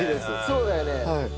そうだよね。